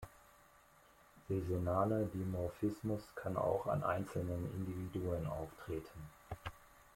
Saisonaler Dimorphismus kann auch an einzelnen Individuen auftreten.